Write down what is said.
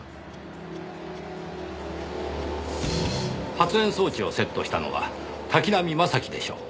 発煙装置をセットしたのは滝浪正輝でしょう。